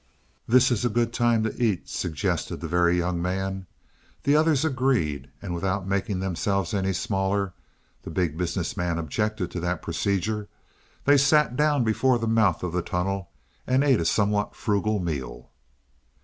"This is a good time to eat," suggested the Very Young Man. The others agreed, and without making themselves any smaller the Big Business Man objected to that procedure they sat down before the mouth of the tunnel and ate a somewhat frugal meal.